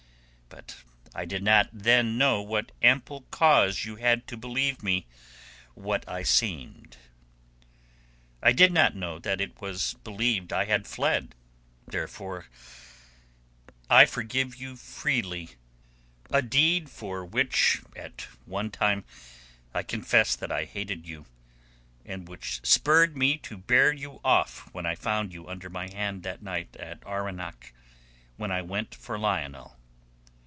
But I did not then know what ample cause you had to believe me what I seemed. I did not know that it was believed I had fled. Therefore I forgive you freely a deed for which at one time I confess that I hated you, and which spurred me to bear you off when I found you under my hand that night at Arwenack when I went for Lionel."